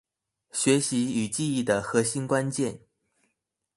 學習與記憶的核心關鍵